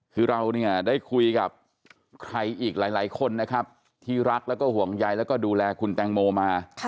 คือเราเนี่ยได้คุยกับใครอีกหลายคนนะครับที่รักแล้วก็ห่วงใยแล้วก็ดูแลคุณแตงโมมา